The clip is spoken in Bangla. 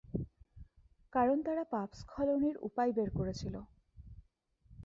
কারণ তারা পাপ স্খলনের উপায় বের করেছিল।